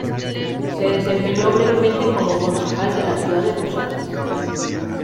Se desempeñó brevemente como concejal de la ciudad de Posadas.